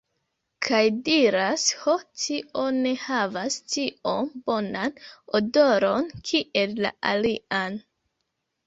Kaj diras, ho tio ne havas tiom bonan odoron kiel la alian